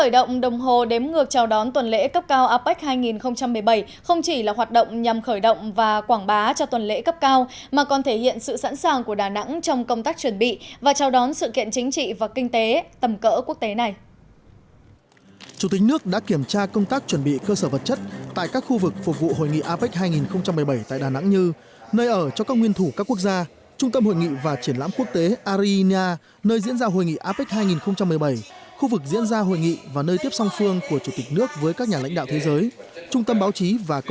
sáng nay ngày một mươi tám tháng bốn tại thành phố đà nẵng chủ tịch nước trần đại quang đã nhấn nút khởi động đồng hồ đếm ngược chào mừng tuần lễ cấp cao apec hai nghìn một mươi bảy do ủy ban quốc gia apec hai nghìn một mươi bảy do ủy ban nhân dân thành phố đà nẵng tổ chức